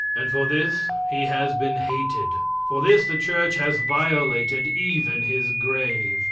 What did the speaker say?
And for this he has been hated; for this the church has violated even his grave.